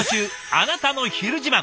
「あなたのひる自慢」。